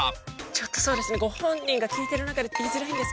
ちょっとそうですねご本人が聞いてる中で。